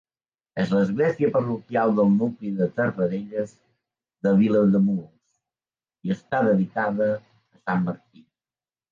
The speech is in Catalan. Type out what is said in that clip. És l'església parroquial del nucli de Terradelles, de Vilademuls i està dedicada a Sant Martí.